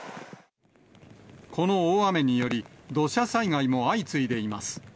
この大雨により、土砂災害も相次いでいます。